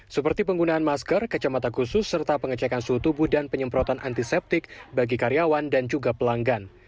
seperti penggunaan masker kacamata khusus serta pengecekan suhu tubuh dan penyemprotan antiseptik bagi karyawan dan juga pelanggan